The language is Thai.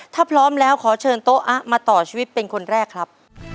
ถ้าพร้อมแล้วขอเชิญโต๊ะอะมาต่อชีวิตเป็นคนแรกครับ